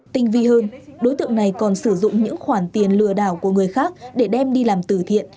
tinh vi hơn đối tượng này còn sử dụng những khoản tiền lừa đảo của người khác để đem đi làm tử thiện